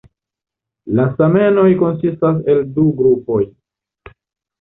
La stamenoj konsistas el du grupoj.